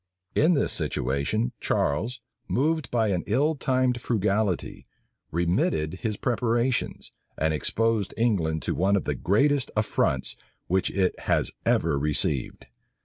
In this situation, Charles, moved by an ill timed frugality, remitted his preparations, and exposed England to one of the greatest affronts which it has ever received.